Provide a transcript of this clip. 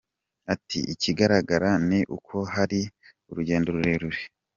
Ati “Ikigaragara ni uko hakiri urugendo rurerure.